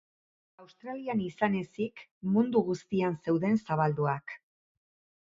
Australian izan ezik mundu guztian zeuden zabalduak.